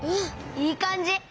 いいかんじ！